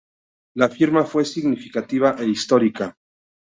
La firma fue significativa e histórica.